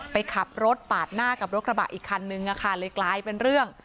ไปขับรถปาดหน้ากับรถกระบะอีกคันนึงอะค่ะเลยกลายเป็นเรื่อง